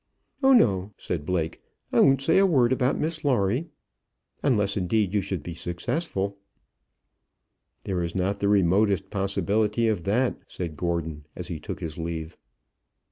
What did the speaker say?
"Oh no," said Blake. "I won't say a word about Miss Lawrie; unless indeed you should be successful." "There is not the remotest possibility of that," said Gordon, as he took his leave.